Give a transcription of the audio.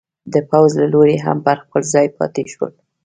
د پوځ له لوري هم پر خپل ځای پاتې شول.